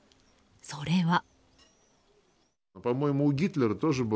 それは。